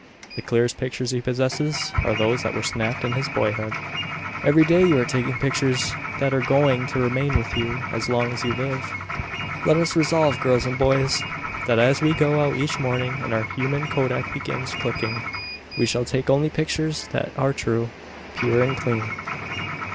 The clearest pictures he possesses are those that were snapped in his boyhood. Every day you are taking pictures that are going to remain with you as long as you live. Let us resolve, girls and boys, that as we go out each morning and our human kodak begins clicking, we shall take only pictures that are true, pure and clean.